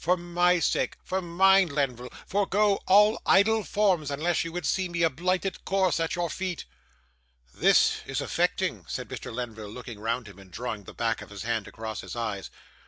'For my sake for mine, Lenville forego all idle forms, unless you would see me a blighted corse at your feet.' 'This is affecting!' said Mr. Lenville, looking round him, and drawing the back of his hand across his eyes.